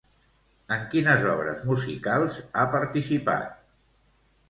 En quines obres musicals ha participat?